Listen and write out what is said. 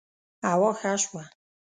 هوا ښه شوه